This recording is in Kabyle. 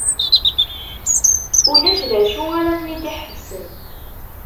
Ulac d acu ara ten-id-iḥebsen.